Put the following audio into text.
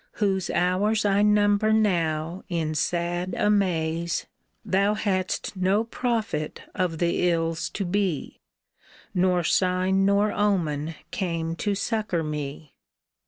Whose hours I number now in sad amaze, Thou hadst no prophet of the ills to be, Nor sign nor omen came to succor me